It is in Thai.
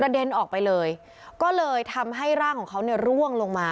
เด็นออกไปเลยก็เลยทำให้ร่างของเขาเนี่ยร่วงลงมา